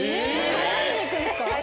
絡みに行くんですか？